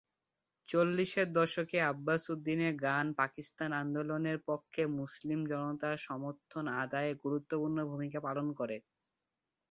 চল্লিশের দশকে আব্বাস উদ্দিনের গান পাকিস্তান আন্দোলনের পক্ষে মুসলিম জনতার সমর্থন আদায়ে গুরুত্বপূর্ণ ভূমিকা পালন করে।